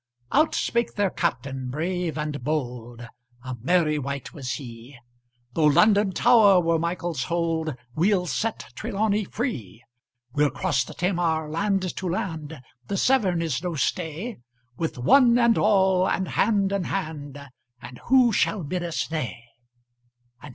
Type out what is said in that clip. Out spake their Captain brave and bold: A merry wight was he: Though London Tower were Michael's hold, We'll set Trelawny free! We'll cross the Tamar, land to land: The Severn is no stay: With "one and all," and hand in hand; And who shall bid us nay?